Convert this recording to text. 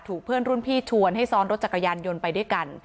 เพื่อนรุ่นพี่ชวนให้ซ้อนรถจักรยานยนต์ไปด้วยกัน